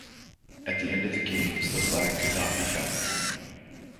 At the end of the Games, the flag could not be found.